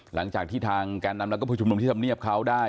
หลังจากที่ทางแกนำนักคมภูมิจำนวบที่ทำเนียบเขาได้